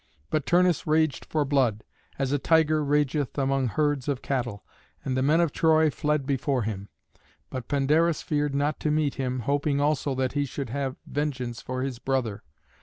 But Turnus raged for blood, as a tiger rageth among herds of cattle, and the men of Troy fled before him. But Pandarus feared not to meet him, hoping also that he should have vengeance for his brother.